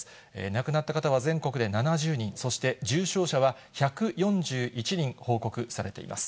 亡くなった方は全国で７０人、そして重症者は１４１人報告されています。